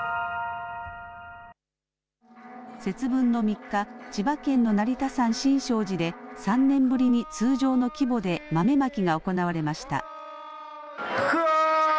節分の３日、千葉県の成田山新勝寺で、３年ぶりに通常の規模で豆まきが行われました。